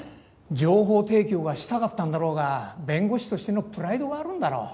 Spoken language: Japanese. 情報提供がしたかったんだろうが弁護士としてのプライドがあるんだろう。